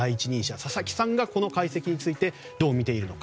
佐々木さんがこの解析についてどう見ているのか。